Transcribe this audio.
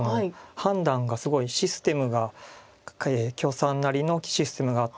判断がすごいシステムが許さんなりのシステムがあって。